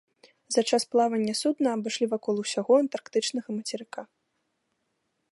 За час плавання судна абышлі вакол усяго антарктычнага мацерыка.